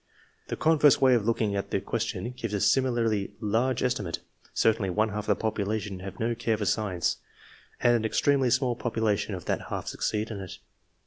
The converse way of looking at the question gives a similarly large estimate. Certainly one half of the population have no 2 196 ENGLISH MEN OF SCIENCE. [chap. care for science, and an extremely small propor tion of that half succeed in it.